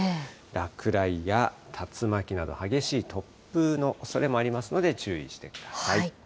落雷や竜巻など、激しい突風のおそれもありますので注意してください。